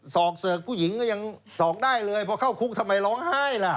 ศอกเสิร์กผู้หญิงก็ยังสอกได้เลยพอเข้าคุกทำไมร้องไห้ล่ะ